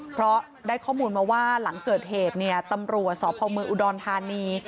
เพราะได้ข้อมูลมาว่าหลังเกิดเหตุเนี่ยตำรวจสพเมืองอุดรธานี